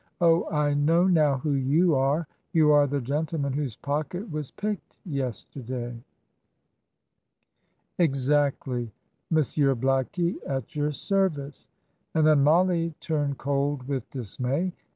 Oh, I know now who you are. You are the gentleman whose pocket was picked yesterday." "Exactly. Monsieur Blackie, at your service;" and then Mollie turned cold with dismay.